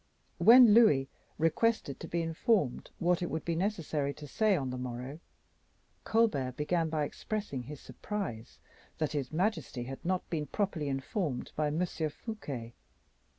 When Louis requested to be informed what it would be necessary to say on the morrow, Colbert began by expressing his surprise that his majesty had not been properly informed by M. Fouquet.